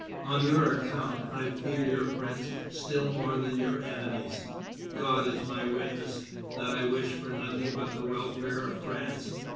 On your account, I fear your friends still more than your enemies." "God is my witness that I wish for nothing but the welfare of France."